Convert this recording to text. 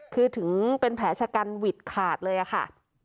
คือถึงเป็นแผลชะกันหวิดขาดเลยอะค่ะ